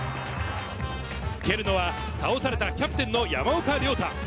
蹴るのは倒されたキャプテンの山岡亮太。